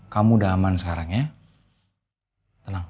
kamu udah aman sekarang ya tenang